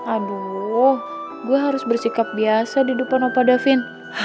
aduh gue harus bersikap biasa di depan opa davin